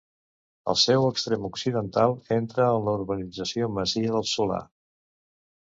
El seu extrem occidental entra en la Urbanització Masia del Solà.